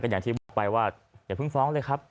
อย่างที่บอกไปว่าอย่าเพิ่งฟ้องเลยครับ